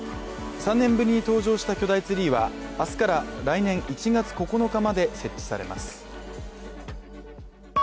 ３年ぶりに登場した巨大ツリーは明日から来年１月９日まで設置されます。